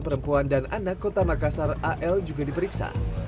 perempuan dan anak kota makassar al juga diperiksa